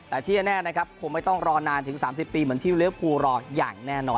แต่ที่แน่นะครับคงไม่ต้องรอนานถึง๓๐ปีเหมือนที่เลี้ยภูรออย่างแน่นอน